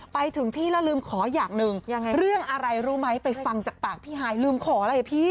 ไปถึงที่แล้วลืมขออย่างหนึ่งเรื่องอะไรรู้ไหมไปฟังจากปากพี่ฮายลืมขออะไรอ่ะพี่